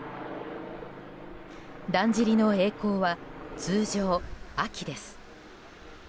だんじりの曳航は、通常秋です。